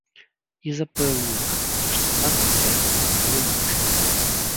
І запэўніў, што так працягвацца не можа.